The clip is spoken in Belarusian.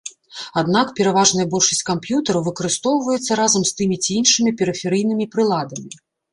Аднак пераважная большасць камп'ютараў выкарыстоўваецца разам з тымі ці іншымі перыферыйнымі прыладамі.